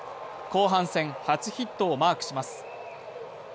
後半戦初ヒットをマークします。